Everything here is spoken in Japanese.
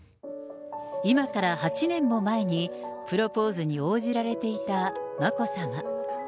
今から８年も前にプロポーズに応じられていた眞子さま。